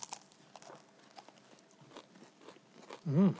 うん！